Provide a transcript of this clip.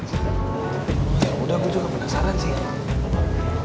ya udah gue juga penasaran sih